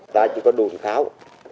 ta chỉ có đùn kháo